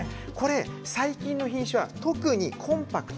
最近の品種は特にコンパクト。